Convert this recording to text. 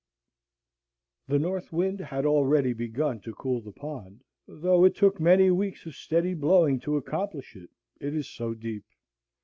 The north wind had already begun to cool the pond, though it took many weeks of steady blowing to accomplish it, it is so deep.